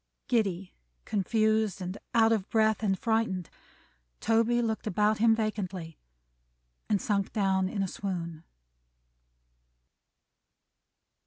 Giddy, confused, and out of breath, and frightened, Toby looked about him vacantly, and sunk down in a swoon.